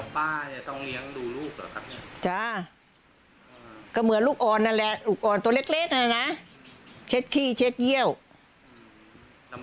บ้านบ้านนำลังมาสร้างของอาศัยว่าจะมาช่วยด่วยชายซักอย่าง